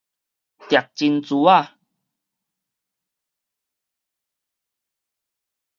擉真珠仔